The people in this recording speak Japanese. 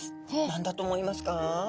何だと思いますか？